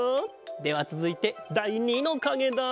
ではつづいてだい２のかげだ。